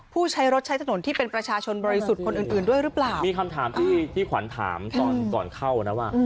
ผู้ใช้รถใช้ถนนที่เป็นประชาชนบริสุทธิ์คนอื่นอื่นด้วยหรือเปล่ามีคำถามที่ที่ขวัญถามตอนก่อนเข้านะว่า